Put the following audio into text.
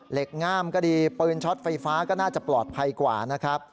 เหล็กงามก็ดีปืนช็อตไฟฟ้าก็น่าจะปลอดภัยกว่า